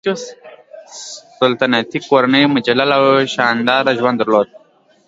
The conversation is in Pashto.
سلطنتي کورنۍ مجلل او شانداره ژوند درلود.